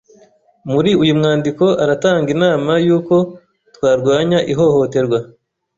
Muri uyu mwandiko aratanga inama y’uko twarwanya ihohoterwa